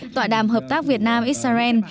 tọa đàm hợp tác việt nam israel